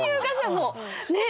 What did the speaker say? もうねっ？